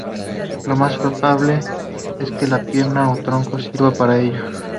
Lo más probable es que una piedra o tronco sirva para ello.